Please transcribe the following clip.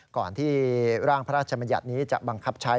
ก่อนที่ร่างพระราชมัญญัตินี้จะบังคับใช้